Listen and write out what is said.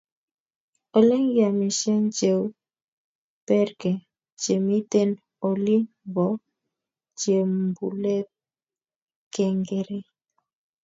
olegiamishen cheu Berke chemiten olin bo chembulet kegeerei